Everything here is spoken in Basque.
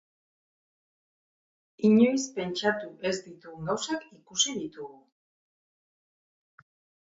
Inoiz pentsatu ez ditugun gauzak ikusi ditugu.